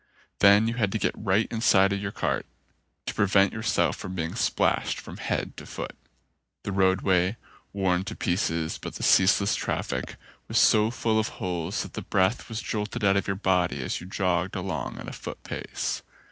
Then you had to get right inside your cart to prevent yourself from being splashed from head to foot. The roadway, worn to pieces by the ceaseless traffic, was so full of holes that the breath was jolted out of your body as you jogged along at a foot pace.